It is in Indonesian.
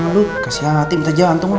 lu kasihan hati minta jantung lu